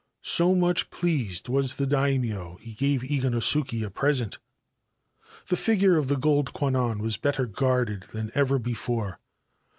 So much pleased was the Daimio, he gave [ganosuke a present. The figure of the gold Kwannon was better guarded :han ever before.